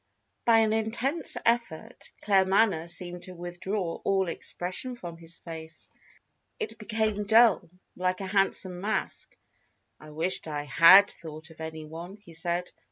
By an intense effort Claremanagh seemed to withdraw all expression from his face. It became dull, like a handsome mask. "I wish I had thought of any one," he said.